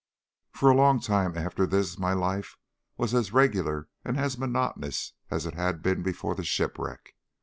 For a long time after this my life was as regular and as monotonous as it had been before the shipwreck.